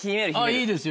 いいですよ。